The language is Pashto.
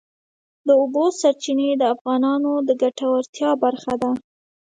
د اوبو سرچینې د افغانانو د ګټورتیا برخه ده.